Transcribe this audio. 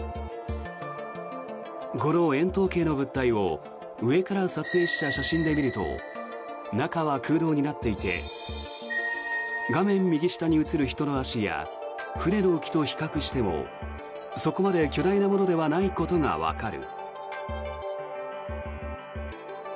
この円筒形の物体を上から撮影した写真で見ると中は空洞になっていて画面右下に写る人の足や船の浮きと比較してもそこまで巨大なものではないことがわかる。